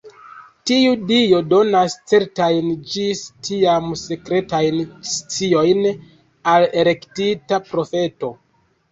Tiu Dio donas certajn ĝis tiam sekretajn sciojn al elektita profeto.